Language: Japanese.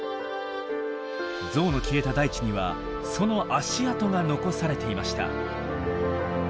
ゾウの消えた大地にはその足跡が残されていました。